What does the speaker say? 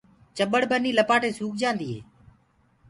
چٻڙ ٻني لپآٽي سوُڪ جآندي هي۔